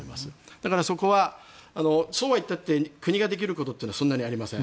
だからそこは、そうはいったって国ができることはそんなにありません。